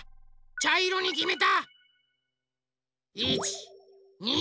ちゃいろにきめた。